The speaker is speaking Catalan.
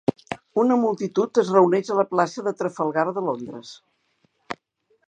Una multitud es reuneix a la plaça de Trafalgar de Londres.